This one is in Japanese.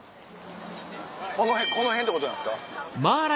この辺ってことなんですか？